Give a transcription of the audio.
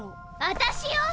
私よ！